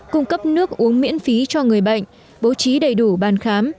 cung cấp nước uống miễn phí cho người bệnh bố trí đầy đủ ban khám